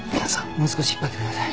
もう少し引っ張ってください。